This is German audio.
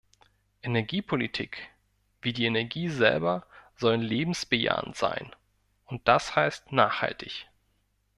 Energiepolitik wie die Energie selber sollen lebensbejahend sein, und das heißt nachhaltig.